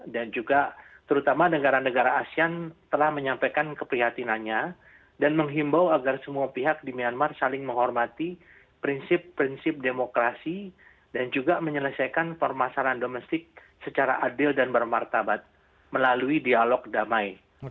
dan juga terutama negara negara asean telah menyampaikan keprihatinannya dan menghimbau agar semua pihak di myanmar saling menghormati prinsip prinsip demokrasi dan juga menyelesaikan permasalahan domestik secara adil dan bermartabat melalui dialog damai